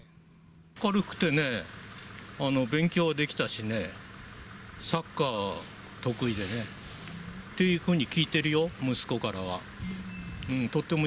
明るくてね、勉強はできたしね、サッカー得意でね、というふうに聞いてるよ、息子からは。